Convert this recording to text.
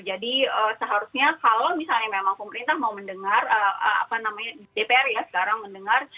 jadi seharusnya kalau misalnya memang pemerintah mau mendengar dpr ya sekarang mendengar